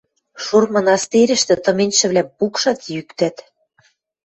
Шур мынастирӹштӹ тыменьшӹвлӓм пукшат, йӱктӓт.